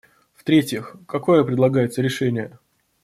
В-третьих, какое предлагается решение?